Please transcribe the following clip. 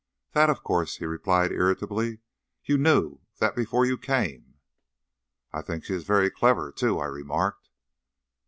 "That, of course," he replied irritably. "You knew that before you came!" "I think she is very clever too," I remarked.